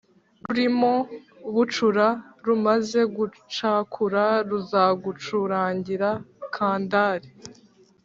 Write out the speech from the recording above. Rurimo bucura Rumaze gucakura Ruzagucurangira candari.